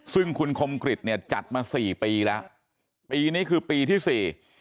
ซึ่งคุณคมกฤษเนี่ยจัดมา๔ปีแล้วปีนี้คือปีที่๔